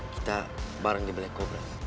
kita bareng di black cobra